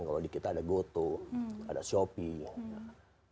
kalau di kita ada gotoh ada shopee